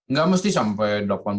tidak mesti sampai